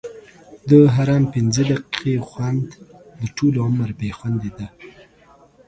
د حرام پنځه دقیقې خوند؛ د ټولو عمر بې خوندي ده.